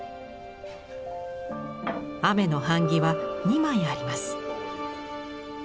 雨の版木は２枚あります。